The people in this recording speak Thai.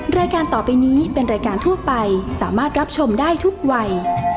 รายการต่อไปนี้เป็นรายการทั่วไปสามารถรับชมได้ทุกวัย